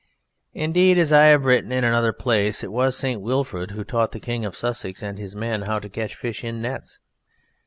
Indeed, as I have written in another place, it was St. Wilfrid who taught the King of Sussex and his men how to catch fish in nets.